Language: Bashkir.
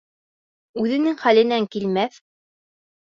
Үҙенең хәленән килмәҫ.